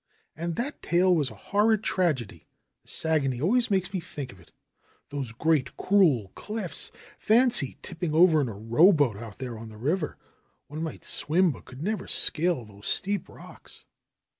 And that tale was a horrid tragedy. The Saguenay always makes me think of it. THE HERMIT OF SAGUENAY 47 Those great, cruel cliffs ! Fancy tipping over in a row boat out there on the river ! One might swim but could never scale those steep rocks."